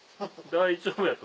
大丈夫だと。